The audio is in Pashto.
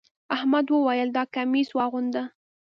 احمد وويل: دا کميس واغونده.